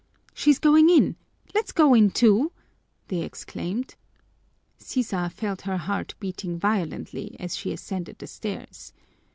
"She's going in! Let's go in too!" they exclaimed. Sisa felt her heart beating violently as she ascended the stairs.